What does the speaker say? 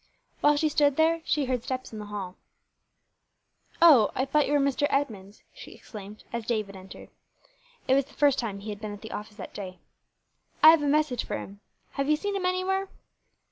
While she stood there, she heard steps in the hall. "O, I thought you were Mr. Edmunds," she exclaimed, as David entered. It was the first time he had been at the office that day. "I have a message for him. Have you seen him anywhere?"